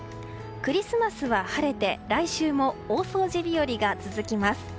クリスマスは晴れて来週も大掃除日和が続きます。